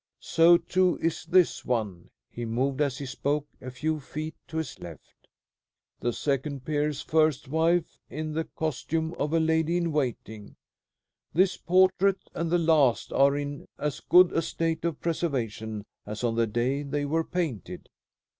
"So, too, is this one;" he moved as he spoke a few feet to his left. "The second peer's first wife in the costume of a lady in waiting. This portrait and the last are in as good a state of preservation as on the day they were painted."